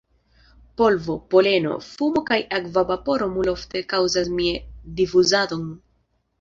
Polvo, poleno, fumo kaj akva vaporo multfoje kaŭzas Mie-difuzadon.